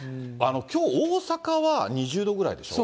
きょう、大阪は２０度ぐらいでしょ。